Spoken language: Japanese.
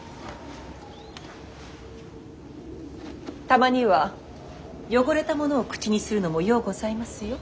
たまには汚れたものを口にするのもようございますよ。